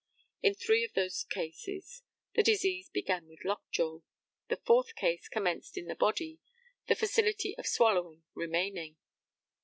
In three of those cases the disease began with lockjaw. The fourth case commenced in the body, the facility of swallowing remaining.